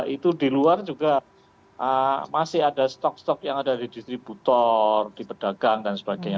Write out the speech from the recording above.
itu di luar juga masih ada stok stok yang ada di distributor di pedagang dan sebagainya